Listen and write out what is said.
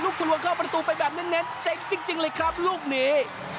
ทะลวงเข้าประตูไปแบบเน้นเจ๋งจริงเลยครับลูกนี้